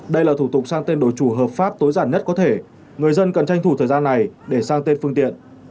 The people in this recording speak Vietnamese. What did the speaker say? đây là thủ tục sang tên đối chủ hợp pháp tối giản nhất có thể người dân cần tranh thủ thời gian này để sang tên phương tiện